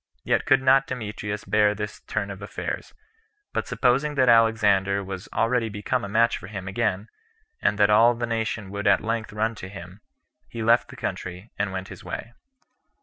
Yet could not Demetrius bear this turn of affairs; but supposing that Alexander was already become a match for him again, and that all the nation would [at length] run to him, he left the country, and went his way.